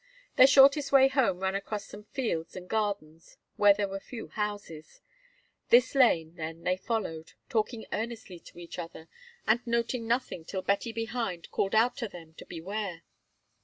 Their shortest way home ran across some fields and gardens where there were few houses. This lane, then, they followed, talking earnestly to each other, and noting nothing till Betty behind called out to them to beware.